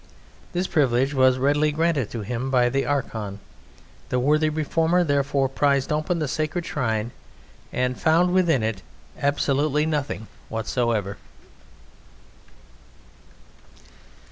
This privilege was readily granted to him by the Archon. The worthy reformer, therefore, prised open the sacred shrine and found within it absolutely nothing whatsoever.